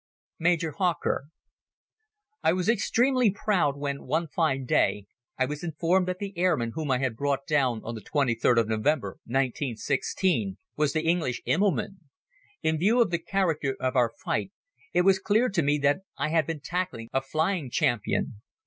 Major Hawker I WAS extremely proud when, one fine day, I was informed that the airman whom I had brought down on the twenty third of November, 1916, was the English Immelmann. In view of the character of our fight it was clear to me that I had been tackling a flying champion.